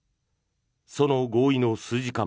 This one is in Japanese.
その合意の数時間